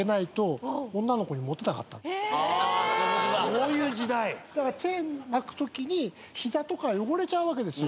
そういう時代⁉チェーン巻くときに膝とか汚れちゃうわけですよ。